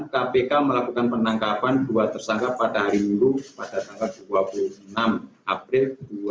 kpk melakukan penangkapan dua tersangka pada hari minggu pada tanggal dua puluh enam april dua ribu dua puluh